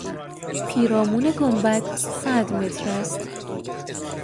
پیرامون گنبد صد متر است.